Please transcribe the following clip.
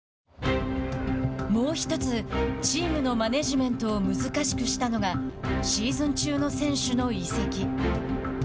もうひとつチームのマネジメントを難しくしたのがシーズン中の選手の移籍。